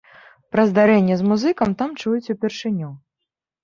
Пра здарэнне з музыкам там чуюць упершыню.